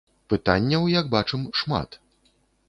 Пытанняў, як бачым, шмат.